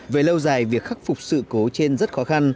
về lâu dài việc khắc phục sự cố trên rất khó khăn